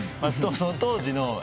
当時の。